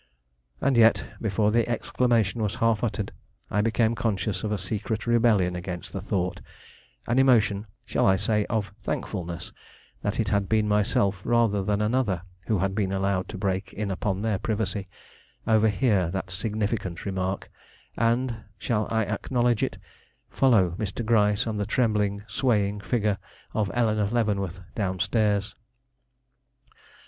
And yet, before the exclamation was half uttered, I became conscious of a secret rebellion against the thought; an emotion, shall I say, of thankfulness that it had been myself rather than another who had been allowed to break in upon their privacy, overhear that significant remark, and, shall I acknowledge it, follow Mr. Gryce and the trembling, swaying figure of Eleanore Leavenworth down stairs.